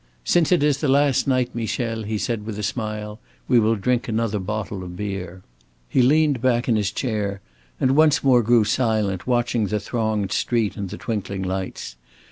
"Since it is the last night, Michel," he said, with a smile, "we will drink another bottle of beer." He leaned back in his chair and once more grew silent, watching the thronged street and the twinkling lights.